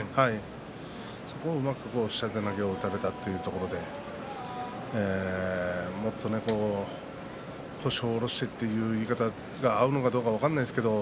そこをうまく下手投げを打たれたというところでもっと腰を下ろしてという言い方が合うのかどうか分からないんですけど